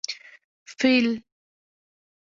🐘 فېل